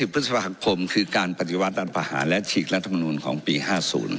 พฤษภาคมคือการปฏิวัติรัฐประหารและฉีกรัฐมนุนของปี๕๐